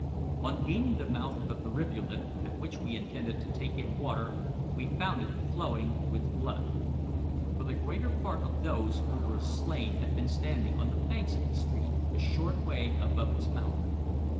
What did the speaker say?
On gaining the mouth of the rivulet at which we intended to take in water, we found it flowing with blood; for the greater part of those who were slain had been standing on the banks of the stream, a short way above its mouth.